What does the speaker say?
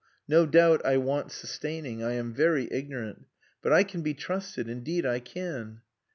No doubt I want sustaining. I am very ignorant. But I can be trusted. Indeed I can!"